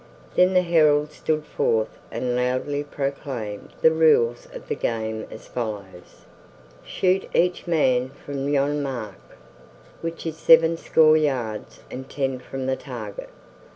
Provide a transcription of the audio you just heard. Then the herald stood forth and loudly proclaimed the rules of the game as follows: "Shoot each man from yon mark, which is sevenscore yards and ten from the target.